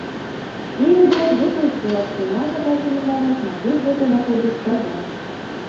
І, відаць, гэта ўсё, што я на дадзены момант магу з гэтай нагоды сказаць.